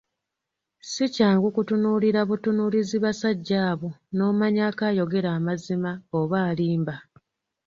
Si kyangu kutunuulira butunuulizi basajja abo n'omanyaako ayogera amazimba oba alimba.